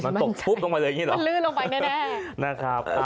มันลื่นลงไปแน่